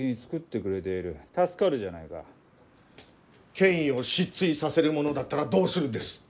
権威を失墜させるものだったらどうするんです？